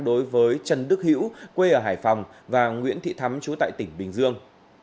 đối với trần đức hữu quê ở hải phòng và nguyễn thị thắm chú tại tỉnh bình dương